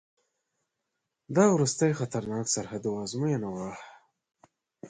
دا وروستی خطرناک سرحد او آزموینه وه.